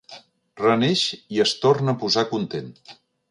Reneix i es torna a posar content.